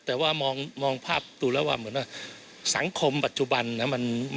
แต่ว่ามองภาพดูแล้วว่าเหมือนว่าสังคมปัจจุบันนะ